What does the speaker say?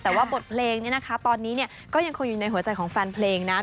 แต่ว่าบทเพลงนี้นะคะตอนนี้เนี่ยก็ยังคงอยู่ในหัวใจของแฟนเพลงนะ